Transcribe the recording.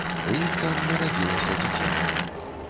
У іх там нарадзілася дзіця.